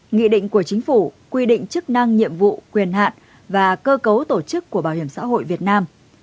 nghị định của chính phủ quy định chức năng nhiệm vụ quyền hạn và cơ cấu tổ chức của bảo hiểm xã hội việt nam